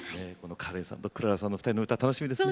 カレンさんとクララさんの２人の歌楽しみですね。